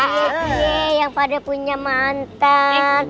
ahy yang pada punya mantan